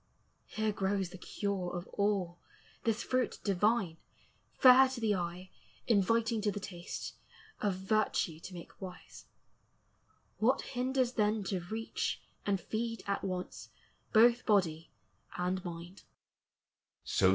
Here grows the cure of all, this fruit divine, Fair to the eye, inviting to the taste, Of virtue to make wise: what hinders then To reach, and feed at once both body and mind?"